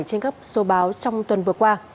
trên các số báo trong tuần vừa qua